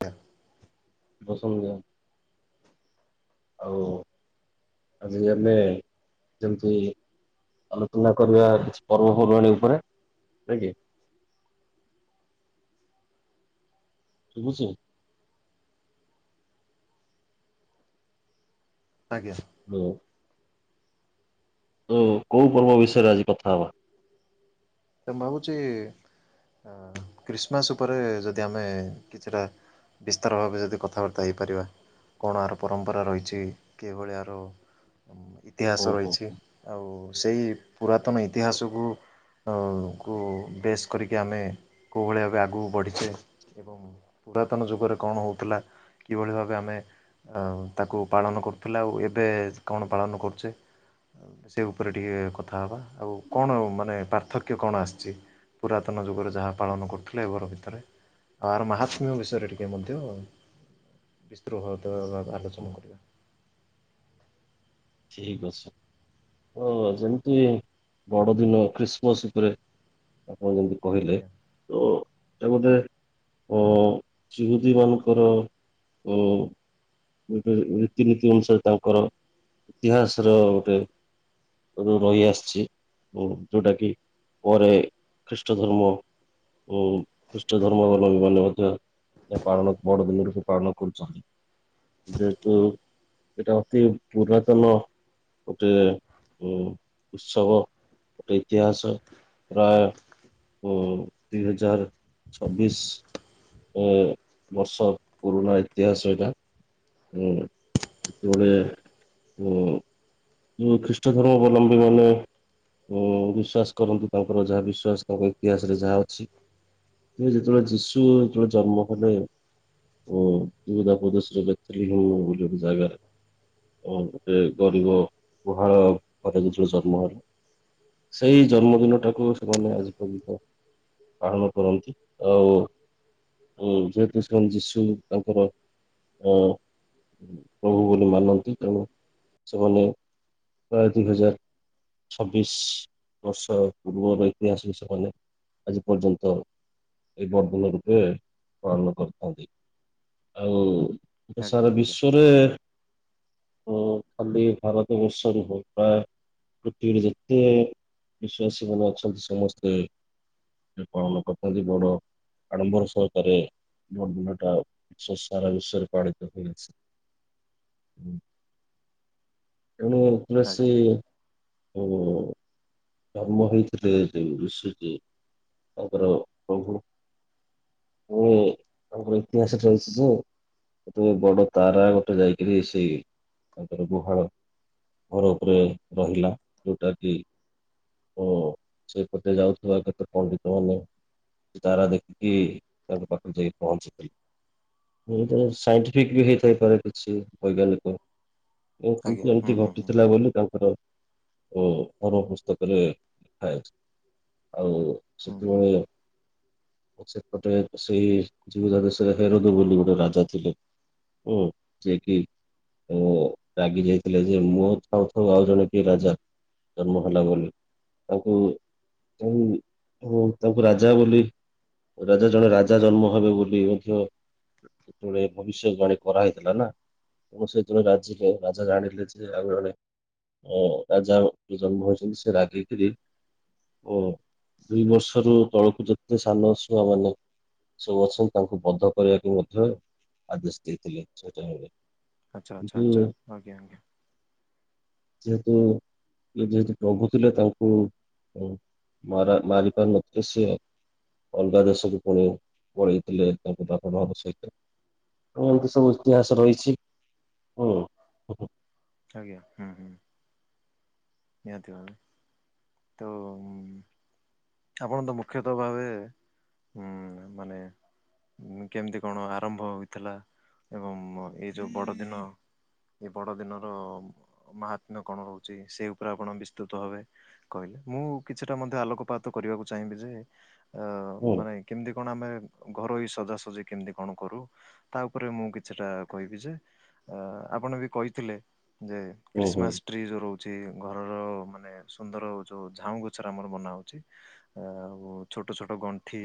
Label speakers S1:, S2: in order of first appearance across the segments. S1: ା
S2: ବାସନ ମଜା ଆଉ ଆଜି ଆମେ ଯେମିତି ଆଲୋଚନା କରିବା କିଛି ପର୍ବପର୍ବାଣୀ ଉପରେ ନୁହେଁ କି? ଶୁବୁଚି?
S1: ଆଜ୍ଞାା।
S2: ହାଲୋ। ତ କୋଉ ପର୍ବ ବିଷୟରେ ଆଜି କଥା ହବା?
S1: ତ ମୁ ଭାବୁଛି ଆଁ କ୍ରୀଷ୍ଟମାସ୍ ଉପରେ ଯଦି ଆମେ କିଛିଟା ବିସ୍ତାର ଭାବେ ଯଦି କଥାବାର୍ତ୍ତା ହେଇପାରିବା। କଣ ଆର ପରମ୍ପରା ରହିଛି କିଭଳିଆର ଇତିହାସ
S2: ଓହୋ।
S1: ରହିଛି ଆଉ ସେଇ ପୁରାତନ ଇତିହାସକୁ ଆଉ କୁ ବେଶ କରିକି ଆମେ କଉଭଳିଆ ଭାବେ ଆଗକୁ ବଢ଼ିଛେ ଏବଂ ପୁରାତନ ଯୁଗରେ କଣ ହଉଥିଲା କିଭଳି ଭାବେ ଆମେ ଆଉ ତାକୁ ପାଳନ କରୁଥିଲେ ଆଉ ଏବେ କଣ ପାଳନ କରୁଛେ। ସେ ଉପରେ ଟିକେ କଥା ହେବା, ଆଉ କଣ ମାନେ ପାର୍କ ପାର୍ଥକ୍ୟ କଣ ଆସିଛି, ପୁରାତନ ଯୁଗରେ ଯାହା ପାଳନ କରୁଥିଲେ ଏବେର ଭିତରେ? ଆର ମାହାତ୍ମ୍ୟ ବିଷୟରେ ଟିକେ ମଧ୍ୟ ବିସ୍ତୃତ ଭାବରେ
S2: ହୋ,
S1: ଆଲୋଚନା କରିବା।
S2: ଠିକ୍ ଅଛି। ହଁଅ ଯେମିତି ବଡ ଦିନ ଖ୍ରୀଷ୍ଟମସ୍ ଉପରେ ଆପଣ ଯେମିତି କହିଲେ
S1: ଆଜ୍ଞା।
S2: ତ ସେ ଗୋଟେ ଅଁ-ଅଁ-ଅଁ ଚିହୁଦୀ ମାନଙ୍କର ଉଁ-ଉଁ-ଉଁ ଗୋଟେ ରୀତିନୀତି ଅନୁସାରେ ତାଙ୍କର ଇତିହାସର ଗୋଟେ [unintelligible] ରହି ଆସିଛି ଯୋଉଟା କି ପରେ ଖ୍ରୀଷ୍ଟ ଧର୍ମ ଉଁ-ଉଁ-ଉଁ ଖ୍ରୀଷ୍ଟ ଧର୍ମ ଅବଲମ୍ବୀମାନେ ମଧ୍ୟ ଏହା ପାଳନ ବଡଦିନ ରୂପେ ପାଳନ କରୁଛନ୍ତି, ଯେହେତୁ ଏଇଟା ଅତି ପୁରାତନ ଗୋଟେ ଉଁ ଉତ୍ସବ ଗୋଟେ ଇତିହାସ ପ୍ରାୟ ଉଁ ଦି ହଜାର ଛବିଶ ଉଁ-ଉଁ ବର୍ଷ ପୁରୁଣା ଇତିହାସ ଏଇଟା। ହୁଁ ଯେତେବେଳେ ହୁଁ। ଯୋଉ ଖ୍ରୀଷ୍ଟ ଧର୍ମ ଅବଲମ୍ବୀମାନେ ଉଁ ବିଶ୍ଵାସ କରନ୍ତି ତାଙ୍କର ଯାହା ବିଶ୍ଵାସ ତାଙ୍କ ଇତିହାସରେ ଯାହା ଅଛି। କି ଯେତେବେଳେ ଯୀଶୁ ଯେତେବେଳେ ଜନ୍ମ ହେଲେ ଉଁ [unintelligible] ବେଥଲିମ୍ ବୋଲି ଗୋଟେ ଜାଗାରେ ଉଁ ଗୋଟେ ଗରିବ ଗୁହାଳ [unintelligible] ଯୀଶୁ ଜନ୍ମହେଲେ। ସେଇ ଜନ୍ମଦିନଟାକୁ ସେମାନେ ଆଜି ପର୍ଯ୍ୟନ୍ତ ପାଳନ କରନ୍ତି ଆଉ ଉଁ ଯେହେତୁ ସେଣ୍ଟ୍ ଯୀଶୁ ତାଙ୍କର ଅ ପ୍ରଭୁ ବୋଲି ମାନନ୍ତି ତେଣୁ ସେମାନେ ପ୍ରାୟ ଦି ହଜାର ଛବିଶ ବର୍ଷ ପୂର୍ବର ଇତିହାସ ବି ସେମାନେ ଆଜି ପର୍ଯ୍ୟନ୍ତ ଏଇ [unintelligible] ରୂପେ ପାଳନ କରିଥାନ୍ତି। ଆଉ
S1: ଆଜ୍ଞା
S2: ସାରା
S1: ଆଜ୍ଞା
S2: ବିଶ୍ୱରେ ଉଁ ଖାଲି ଭାରତ୍ ବର୍ଷରେ ହୁଏ ବା ପୃଥିବୀରେ ଯେତେ ବିଶାସୀ ମାନେ ଅଛନ୍ତି ସମସ୍ତେ [unintelligible] ପାଳନକର୍ତ୍ତା ଯେ ବଡ ଆଡ଼ମ୍ବର ସହକାରେ ବଡ଼ଦିନଟା‌ ବିଶ୍ବ ସାରା‌ ବିଶ୍ବରେ ପାଳିତ‌ ହୋଇଅଛି। ହୁଁ। ତେଣୁ ପୁରା ସେ
S1: ଆଜ୍ଞା
S2: ଉଁ-ଉଁ-ଉଁ ଜନ୍ମ ହୋଇଥିଲେ ଯେ ଯୀଶୁଜୀ ତାଙ୍କର ପ୍ରଭୁ। ଏ ଆମର ଇତିହାସରେ ରହିଛି ଯୋ ସେତେବେଳେ ବଡ ତାରା ଗୋଟେ ଯାଇକିରି ସେଇ ତାଙ୍କର ଗୁହାଳ ଘର ଉପରେ ରହିଲା ଯୋଉଟା କି ଉଁ-ଉଁ ସେଇ ପଟେ ଯାଉଥିବା କେତେ ପଣ୍ଡିତମାନେ ସେ ତାରା ଦେଖିକି ତାଙ୍କ ପାଖକୁ ଯାଇକି ପହଞ୍ଚିଥିଲେ। ହୁଏତ ସାଇଣ୍ଟିଫିକ ବି ହେଇ ଥାଇପାରେ କିଛି ବୈଜ୍ଞାନିକ। ଉଁ
S1: ଆଜ୍ଞା
S2: କିନ୍ତୁ
S1: ହୁଁ
S2: ଏମିତି
S1: ହୁଁ ହୁଁ
S2: ଘଟିଥିଲା ବୋଲି ତାଙ୍କର ଉଁ ପର ଅବସ୍ ତାପରେ [unintelligible] ଆଉ
S1: ହୁଁ
S2: ସେତେବେଳେ
S1: [unintelligible]
S2: ସେପଟେ ସେଇ ଜୀହୁଦା ଦେଶରେ ହେରଦ ବୋଲି ଗୋଟେ ରାଜା ଥିଲେ। ଓ କିଏ କି? ଓ ରାଗି ଯାଇଥିଲେ ଯେ ମୁଁ ଥାଉ ଥାଉ ଆଉ ଜଣେ କିଏ ରାଜା। ଭଲ ବୋଲିଲ ତାଙ୍କୁ ତାଙ୍କୁ ତାଙ୍କୁ ରାଜା ବୋଲି ରାଜା ଜଣେ ରାଜା ଜନ୍ମ ହେବେ ବୋଲି ମଧ୍ୟ ଯେତେବେଳେ ଭବିଷ୍ୟବାଣୀ କରାହେଇଥିଲା ନା। ଏବଂ ସେହିତ ରାଜିକ ରାଜା ଜାଣିିିଲେ ଯେ ଆଉ ଜଣେ ଅ ରାଜା ଜନ୍ମ ହୋଇଛ। ସେ ରାଗିକିରି ଓ ଦି ବର୍ଷରୁ ତଳକୁ ଯେତେ ସାନ ଅସୁଆ ମାନେ ସବୁ ଅଛନ୍ତି ତାଙ୍କୁ ବଧ କରିବାକୁ ମଧ୍ୟ ଆଦେଶ ଦେଇଥିଲେ ସେଇ ଟାଇମରେ।
S1: ଆଚ୍ଛା ଆଚ୍ଛା
S2: କିନ୍ତୁ
S1: ଆଚ୍ଛା ଆଜ୍ଞା ଆଜ୍ଞା।
S2: ଯେହେତୁ [unintelligible] ରୋଗୁଥିଲେ ତାଙ୍କୁ ମାରା ମାରି ପାରୁ ନଥିଲେ ସିଏ। ଅଲଗା ଦେଶକୁ ପୁଣି ପଳେଇଥିଲେ ତାଙ୍କ ବାପା ମାଙ୍କ ସହିତ। ଏ ଏମିତି ସବୁ ଇତିହାସ ରହିଛି ହୁଁ।
S1: ଆଜ୍ଞା ହୁଁ ହୁଁ। ନିହାତି ଭାବେ। ତ ଉଁ ଆପଣ ତ ମୁଖ୍ୟତଃ ଭାବେ ହଁ ମାନେ କେମିତି କଣ ଆରମ୍ଭ ହୋଇଥିଲା? ଏବଂ ଏ ଯେଉଁ ବଡ଼ଦିନ ଏ ବଡ ଦିନର ମହାତ୍ମ୍ୟ କଣ ରହୁଛି ସେଇ ଉପରେ ଆପଣ ବିସ୍ତୃତ ଭାବେ କହିଲେ। ମୁଁ କିଛିଟା ମଧ୍ୟ ଆଲୋକପାତ ତ କରିବାକୁ ଚାହିଁବି ଯେ ଅ
S2: ହୁଁ
S1: ମାନେ କେମିତି କଣ ଆମେ ଘରୋଇ ସଜାସଜି କେମିତି କଣ କରୁ। ତା ଉପରେ ମୁଁ କିଛିଟା କହିବି ଯେ ଅ ଆପଣ ବି କହିଥିଲେ। ଯେ
S2: ହୁଁ ହୁଁ
S1: କ୍ରୀିସମାସ ଟ୍ରି ଯୋଉ ରହୁଛି ଘରର ମାନେ ସୁନ୍ଦର ଯୋଉ ଝାଉଁ ଗଛର ଆମର ବନା ହଉଛି। ଆଉ ଛୋଟ ଛୋଟ ଗଣ୍ଠି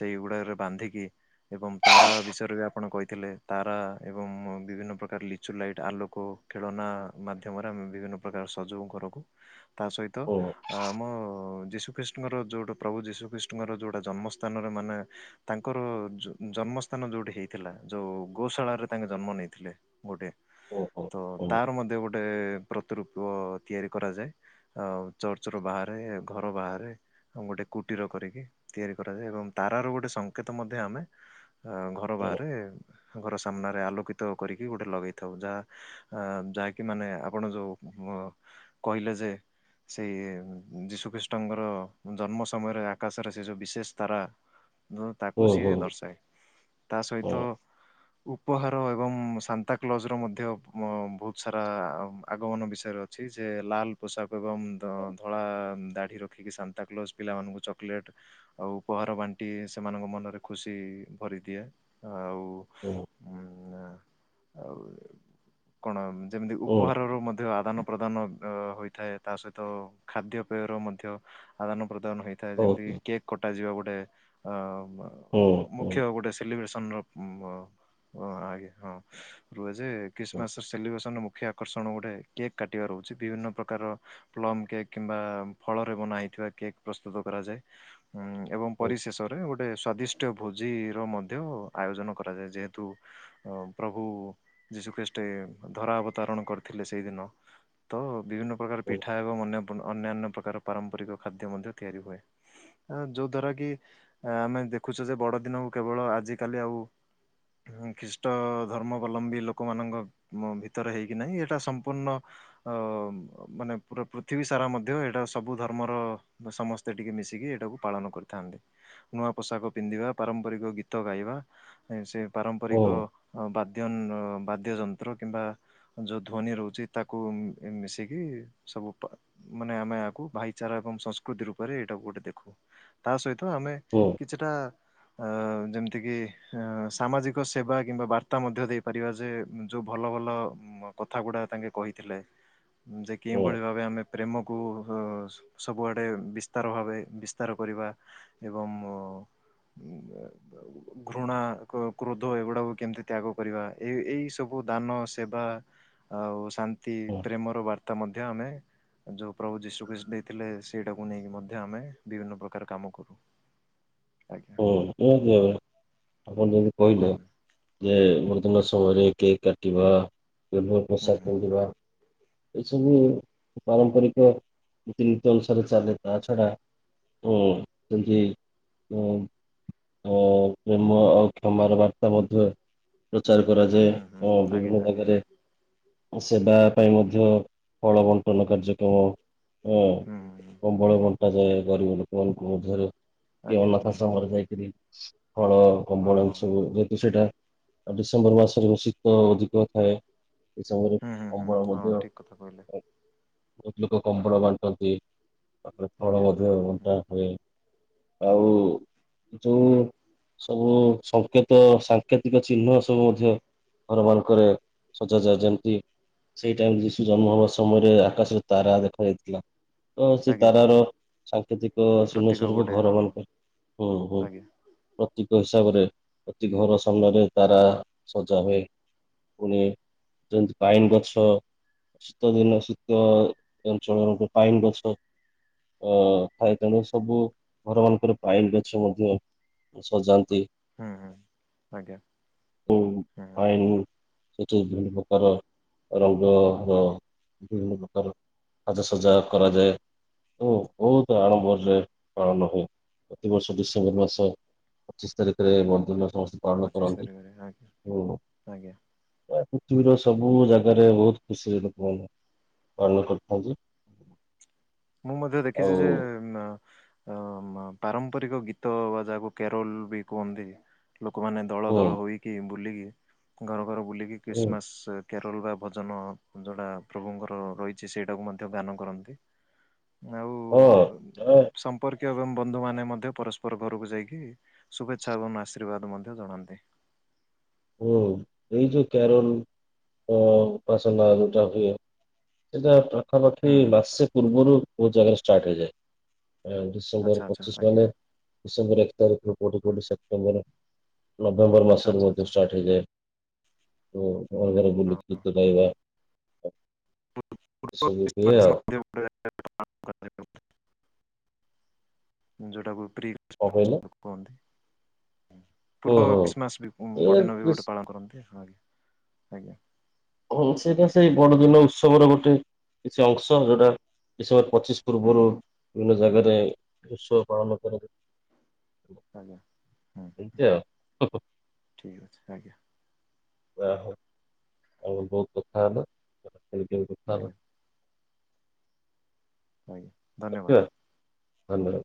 S1: ସେଇ ଗୁଡାକରେ ବାନ୍ଧିକି ଏବଂ ତାରା ବିଷୟରେ ବି ଆପଣ କହିଥିଲେ। ତାରା ଏବଂ ବିଭିନ୍ନ ପ୍ରକାର ଲିଚୁ ଲାଇଟ୍ ଆଲୋକ ଖେଳନା ମାଧ୍ୟମରେ ଆମେ ବିଭିନ୍ନ ପ୍ରକାର ସଜୋଉ ଘରକୁ। ତା ସହିତ
S2: ହୁଁ
S1: ଆମ ଯୀଶୁ ଖ୍ରୀଷ୍ ଙ୍କର ଯୋଉଟା ପ୍ରଭୁ ଯୀଶୁଖ୍ରୀଷ୍ଣଙ୍କର ଯୋଉଟା ଜନ୍ମସ୍ଥାନରେ ମାନେ ତାଙ୍କର ଜ ଜନ୍ମ ସ୍ଥାନ ଯୋଉଠି ହେଇଥିଲା ଯୋଉ ଗୋଶାଳାରେ ତାଙ୍କ ଜନ୍ମ ନେଇଥିଲେ। ଗୋଟେ
S2: ହୁଁ
S1: ତ
S2: ହୁଁ
S1: ତାର ମଧ୍ୟ ଗୋଟେ ଗୋଟେ ପ୍ରତିରୂପ ତିଆରି କରାଯାଏ। ଆ ଚର୍ଚ୍ଚର ବାହାରେ ଘର ବାହାରେ। ଗୋଟେ କୁଟୀର କରିକି ତିଆରି କରାଯାଏ। ଏବଂ ତାରାର ଗୋଟେ ସଂକେତ ମଧ୍ୟ ଆମେ ଅ ଘର ବାହାରେ
S2: ହୁଁ
S1: ଘର ସାମ୍ନାରେ ଆଲୋକିତ କରିକି ଗୋଟେ ଲଗେଇ ଥାଉ। ଯାହା ଅ ଯାହାକି ମାନେ ଆପଣ ଯୋଉ କହିଲେ ଯେ ସେଇ ଯୀଶୁ ଖ୍ରୀଷ୍ଟଙ୍କର ଜନ୍ମ ସମୟରେ ଆକାଶରେ ସେ ଯୋଉ ବିଶେଷ ତାରା ତାକୁ
S2: ହୁଁ
S1: ସିଏ
S2: ହୁଁ
S1: ଦର୍ଶାଏ। ତା
S2: ହୁଁ
S1: ସହିତ ଉପହାର ଏବଂ ସାନ୍ତା କ୍ଲଜର ମଧ୍ୟ ବହୁତ ସାରା ଆଗମନ ବିଷୟରେ ଅ ଅଛି ଯେ ଲାଲ ପୋଷାକ ଏବଂ ଧଳା ଦାଢି ରଖିକି ଶାନ୍ତି ତା କ୍ଲୋଜ ପିଲାମାନଙ୍କୁ ଚକୋଲେଟ୍ ଆଉ ଉପହାର ବାଣ୍ଟି ସେମାନଙ୍କ ମନରେ ଖୁସି ଭରି ଦିଏ। ଆଉ
S2: ହୁଁ।
S1: ଉଁ ଆଉ କଣ ଯେମିତି
S2: ହୁଁ
S1: ଉପହାରରୁ ମଧ୍ୟ ଆଦାନ ପ୍ରଦାନ ଅ ହୋଇଥାଏ। ତା ସହିତ ଖାଦ୍ୟ ପେୟର ମଧ୍ୟ ଆଦାନ ପ୍ରଦାନ ହୋଇ ଥା
S2: ହୁଁ ହୁଁ
S1: ଯେମିତିକ କେକ୍ କଟାଯିବା ଗୋଟେ ଅ
S2: ହୁଁ ହୁଁ।
S1: ମୁଖ୍ୟ ଗୋଟେ ସେଲିବ୍ରେସନ ର ଉ ର ଅ ଆ ଇ ହଁ। ରୁହେ ଯେ ଖ୍ରୀଷ୍ଟମାସ ସେଲିବେସନ ର ମୁଖ୍ୟ ଆକର୍ଷଣ ଗୋଟେ କେକ୍ କାଟିବା ରହୁଛି ବିଭିନ୍ନ ପ୍ରକାର ପ୍ଲମ କେକ୍ କିମ୍ବା ଫଳରେ ବନା ହେଇଥିବା କେକ୍ ପ୍ରସ୍ତୁତ କରାଯାଏ। ଉଁ ଏବଂ
S2: ହୁଁ
S1: ପରିଶେଷରେ ଗୋଟେ ସ୍ଵାଦିଷ୍ଟ ଭୋଜିର ମଧ୍ୟ ଆୟୋଜନ କରାଯାଏ ଯେହେତୁ ଅ ପ୍ରଭୁ ଯୀଶୁଖେଷ୍ଟେ ଧରା ଅବତାରଣ କରିଥିଲେ ସେଇଦିନ। ତ ବିଭିନ୍ନ ପ୍ରକାର ପିଠା ଏବଂନ୍ୟ ଅନ୍ୟାନ୍ୟ ପ୍ରକାର ପାରମ୍ପରିକ ଖାଦ୍ୟ ମଧ୍ୟ ତିଆରି ହୁଏ। ଯୋଉ ଦ୍ଵାରା କି ଆମେ ଦେଖୁଛୁ ଯେ ବଡ଼ଦିନକୁ କେବଳ ଆଜିକାଲି ଆଉ ଖ୍ରୀଷ୍ଟ ଧର୍ମାବଲମ୍ବୀ ଲୋକମାନଙ୍କ ମ ଭିତରେ ହେଇକି ନାହିଁ ଏଇଟା ସମ୍ପୂର୍ଣ୍ଣ ଅ ମାନେ ପୁରା ପୃଥିବୀ ସାରା ମଧ୍ୟ ଏଇଟା ସବୁ ଧର୍ମର ସମସ୍ତେ ଟିକେ ମିଶିକି ଏଇଟାକୁ ପାଳନ କରିଥାନ୍ତି। ନୂଆ ପୋଷାକ ପିନ୍ଧିବା ପାରମ୍ପରିକ ଗୀତ ଗାଇବା ସେ
S2: ହୁଁ
S1: ପାରମ୍ପରିକ ଅ ବାଦ୍ୟ ନ ବାଦ୍ୟ ଯନ୍ତ୍ର କିମ୍ବା ଯଉ ଧ୍ୱନି ରହୁଛି ତାକୁ ମିଶିକି ସବୁ ପ ମାନେ ଆମେ ଆକୁ ଭାଇଚାରା ଏବଂ ସଂସ୍କୃତି ରୂପରେ ଏଇଟାକୁ ଗୋଟେ ଦେଖୁ ତା ସହିତ ଆମେ
S2: ହଁ।
S1: କିଛିଟା ଆ ଯେମିତିକି ସାମାଜିକ ସେବା କିମ୍ବା ବାର୍ତ୍ତା ମଧ୍ୟ ଦେଇପାରିବା ଯେ ଯୋଉ ଭଲ ଭଲ କଥା ଗୁଡା ତାଙ୍କେ କହିଥିଲେ। ଯେ
S2: ହୁଁ
S1: କେଉଭଳି ଭାବେ ଆମେ ପ୍ରେମକୁ ହ ସ ସବୁଆଡ଼େ ବିସ୍ତାର ଭାବେ ବିସ୍ତାର କରିବା ଏବଂ। ଘୃଣା କ୍ରୋ କ୍ରୋଧ ଏଗୁଡ଼ାକୁ କେମିତି ତ୍ୟାଗ କରିବା ଏଇ ଏଇ ସବୁ ଦାନ ସେବା ଆଉ ଶାନ୍ତି
S2: ହୁଁ
S1: ପ୍ରେମର ବାର୍ତା ମଧ୍ୟ ଆମେ ଯୋଉ ପ୍ରଭୁ ଯୀଶୁକୃଷ୍ଣ ଦେ ଥିଲେ ସେଇଟାକୁ ନେଇକି ମଧ୍ୟ ଆମେ ବିଭିନ୍ନ ପ୍ରକାର କାମ କରୁ। ଆଜ୍ଞା।
S2: ହଁ [unintelligible] ଆପଣ ଯଦି
S1: ହୁଁ
S2: କହିଲେ। ଯେ ବର୍ତ୍ତମାନ ସମୟରେ କେକ୍ କାଟିବା ଭର
S1: ହୁଁ
S2: ପୋସା
S1: ହୁଁ
S2: ପିଧିବା। କିଛି ବି ପାରମ୍ପରିକ ରୀତିନୀତି ଅନୁସାରେ ଚାଲେ ତା ଛଡ଼ା ଓ ହଉଚି। ଓ ପ୍ରେମ ଆଉ କ୍ଷମାର ବାର୍ତ୍ତା ମଧ୍ୟ ପ୍ରଚାର କରାଯାଏ
S1: ହୁଁ ହୁଁ
S2: ଓ
S1: ଆଜ୍ଞା
S2: ବିଭିନ୍ନ
S1: ଆଜ୍ଞା
S2: ଜାଗାରେ। ସେବା ପାଇଁ ମଧ୍ୟ ଫଳ ବଣ୍ଟନ କାର୍ଯ୍ୟକ୍ରମ ଅ
S1: ହୁଁ ହୁଁ
S2: କମ୍ବ ଳ ବଣ୍ଟାାଯାଏ ଗରିବ ଲୋକ ଏମାନଙ୍କ ମଧ୍ୟରେ। କି
S1: ଆଜ୍ଞା
S2: ଅନାଥ
S1: ହୁଁ ହୁଁ
S2: ଆଶାରମରେ ଯାଇକରି ଫଳ
S1: ହଁ
S2: କବଳ
S1: ହଁ
S2: ସବୁ ଯେହେତୁ ସେଇଟା ଆଉ ଡିସେମ୍ବର ମାସରେ ମୁ ଶୀତ ଅଧିକ ଥାଏ। ଏସମୟରେ
S1: ହୁଁ ହୁଁ ହୁଁ
S2: କମ୍ବ ଳ
S1: ହଁ
S2: ମଧ୍ୟ
S1: ଠିକ୍ କଥା କହିଲେ
S2: ବହୁତ ଲୋକ କମ୍ବ ଳ ବାଣ୍ଟନ୍ତି ତାପରେ ଫଳ
S1: ଆଜ୍ଞା
S2: ମଧ୍ୟ
S1: ହୁଁ
S2: ବଣ୍ଟା ହୁଏ। ଆଉ ଜୋଉ ସବୁ ସଂଙ୍କେତ ସାଙ୍କେତିକ ଚିହ୍ନ ସବୁ ମଧ୍ୟ ଘରମାନଙ୍କରେ ଶଜାଯାଏ ଯେମିତି ସେଇ ଟାଇମ ଯିଶୁ ଜନ୍ମ ହବା ସମୟରେ ଆକାଶରେ ତାରା ଦେଖାାଯାଇଥିଲା। ହ ସେ
S1: ଆଜ୍ଞା ଆଜ୍ଞା
S2: ତାରାର ସାଙ୍କେତିକ ସି ନ
S1: ପ୍ରତୀକ ଗୋଟେ
S2: ସ୍ୱରୂପ।
S1: ହଁ ହଁ
S2: ଘରମାନମାନଙ୍କ ପାଈଁ ହୁଁ ହୁଁ।
S1: ଆଜ୍ଞା
S2: ପ୍ରତୀକ ହିସାବରେ ପ୍ରତି ଘର ସାମ୍ନାରେ ତାରା ସଜା ହୁଏ। ପୁଣି ଯେମିତି ପାଇନ ଗଛ ଶୀତ ଦିନ ଶୀତ ଅଞ୍ଚଳର ଗୋ ପାଇନ ଗଛ। ଅ ଥାଏ ତେଣୁ ସବୁ। ଘର ମାନଙ୍କରେ ପାଇନ ଗଛ ମଧ୍ୟ ସଜାନ୍ତି।
S1: ହୁଁ ହୁଁ ଆଜ୍ଞା
S2: ଓ ଉ
S1: ହୁଁ
S2: ପାଇନ ସେଠି ବିଭିନ୍ନ ପ୍ରକାର ରଙ୍ଗର ବିଭିନ୍ନ ପ୍ରକାର ସାଜସଜା କରାଯାଏ ଓ ବହୁତ ଆଡ଼ମ୍ବରରେ ପାଳନ ଓ ପ୍ରତିବର୍ଷ ଡିସେମ୍ବର ମାସ ପଚିଶ ତାରିଖରେ ବଡଦିନରେ ସମସ୍ତେ ପାଳନ
S1: ପଚିଶ
S2: କରନ୍ତି
S1: ତାରିଖରେ ଆଜ୍ଞା
S2: ଓ
S1: ଆଜ୍ଞା
S2: ପ୍ରାୟ ପୃଥିବୀର ସବୁ
S1: ହୁଁ
S2: ଜାଗାରେ ବହୁତ ଖୁଶିରେ ପର୍ବ ପାଳନ କରିଥାନ୍ତି।
S1: ମୁଁ ମଧ୍ୟ ଦେଖିଛି
S2: ଆଉ
S1: ଯେ ନା ଅ ପାରମ୍ପରିକ ଗୀତ ବାଜାକୁ କେରୋଲ ବି କୁହନ୍ତି ଲୋକମାନେ ଦଳ ଦୋଳ ହୋଇକି ବୁଲିକି ଘର ଘର ବୁଲିକି
S2: ହଁ।
S1: କ୍ରୀଷ୍ଟମାସ କେରଲ ବା ଭଜନ ଯେଉଁଟା ପ୍ରଭୁଙ୍କର ରହିଛି ସେଇଟାକୁ ମଧ୍ୟ ଗାନ କରନ୍ତି। ଆଉ।
S2: ଓ।
S1: ସମ୍ପର୍କୀୟ ଏବଂ ବନ୍ଧୁ ମାନେ ମଧ୍ୟ ପରସ୍ପର ଘରକୁ ଯାଇକି ଶୁଭେଚ୍ଛା ଏବଂ ଆଶୀର୍ବାଦ ମଧ୍ୟ ଜଣାନ୍ତି।
S2: ଓଏଇ ଯେ କ୍ୟା୍ରୋଲ ଅ ପସନ୍ଦ ଆ ଜଉଟା ହୁଏ ସଏଟା ପାଖାପାଖି
S1: ହୁଁ ହୁଁ
S2: ମାସେ ପୂର୍ବରୁ ବହୁତ ଜାଗାରେ ଷ୍ଟାର୍ଟ ହେଇଯାଏ।
S1: ଆଚ୍ଛା
S2: ଡିସେମ୍ବର
S1: ଆଚ୍ଛା
S2: ପଚିଶ
S1: ଆଜ୍ଞା
S2: ମାନେ ଡିସେମ୍ବର ଏକ ତାରିଖରୁ କଉଠି କଉଠି ସେପ୍ଟେମ୍ବର ନଭେମ୍ବର
S1: ଆଚ୍ଛା
S2: ମାସରୁ
S1: ଆଚ୍ଛା
S2: ମଧ୍ୟ
S1: ଆଚ୍ଛା
S2: ଷ୍ଟାର୍ଟ ହେଇଯାଏ। ତୋ ଘରେ ଘରେ ବୁଲିକି
S1: ହଁ।
S2: ଗୀତ ଗାଇବା।
S1: ୍ରି
S2: ଏସବୁ ହୁଏ
S1: ମଧ୍ୟ
S2: ଆଉ
S1: [unintelligible] [unintelligible] ଯୋଉଟାକୁ ପ୍ରି
S2: କଣ କହିଲେ?
S1: କନ୍ତି।
S2: ହୁଁ
S1: ପୂର୍ବ
S2: ହୁଁ।
S1: ଖ୍ରୀଷ୍ଟମାସ୍ ବି
S2: ଏ
S1: ବଡ଼ଦିନ ବି ଗୋଟେ
S2: ବେଶ୍-
S1: ପାଳନ କରନ୍ତି ହଁ ଆଜ୍ଞା ଆଜ୍ଞା।
S2: ହଁ ସେଇଟା ସେଇ ବଡଦିନ ଉତ୍ସବର ଗୋଟେ କିଛି ଅଂଶ ଯୋଉଟା ଡିସେମ୍ବର ପଚିଶ
S1: ହୁଁ
S2: ପୂର୍ବରୁ
S1: ହୁଁ
S2: ବିଭିନ୍ନ ଜାଗାରେ ଉତ୍ସବ ପାଳନ କରାଯଏ।
S1: ଆଜ୍ଞା ହୁଁ ହ
S2: ଏମିତି ଆଉ।
S1: ଠିକ୍ ଅଛି ଆଜ୍ଞା।
S2: ଯାହଉ ଆମେ ବହୁତ କଥା ହେଲା ଖେଳି
S1: ଆଜ୍ଞା। ଆଜ୍ଞା। ଧନ୍ୟବାଦ।
S2: ଆଚ୍ଛା ଧନ୍ୟବାଦ।